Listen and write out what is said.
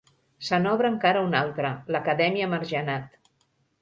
Se n'obre encara una altra, l'Acadèmia Margenat.